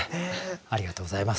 ありがとうございます。